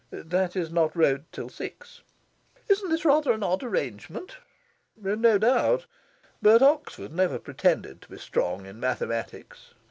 "That is not rowed till six." "Isn't this rather an odd arrangement?" "No doubt. But Oxford never pretended to be strong in mathematics."